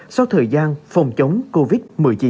sau thời gian phòng chống covid một mươi chín